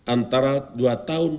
antara dua tahun dua ribu dua belas